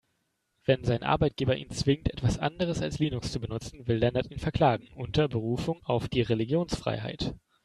Wenn sein Arbeitgeber ihn zwingt, etwas anderes als Linux zu benutzen, will Lennart ihn verklagen, unter Berufung auf die Religionsfreiheit.